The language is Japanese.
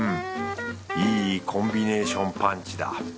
いいコンビネーションパンチだ。